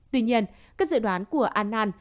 tuy nhiên các dự đoán của anand